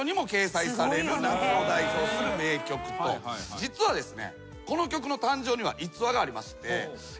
実はですね。